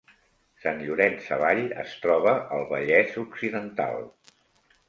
Sant Llorenç Savall es troba al Vallès Occidental